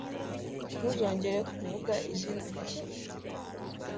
Ntuzongere kuvuga izina rye.